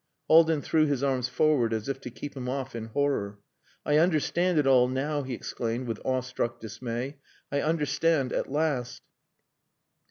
Haldin threw his arms forward as if to keep him off in horror. "I understand it all now," he exclaimed, with awestruck dismay. "I understand at last."